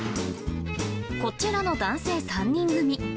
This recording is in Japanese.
こちらの男性３人組。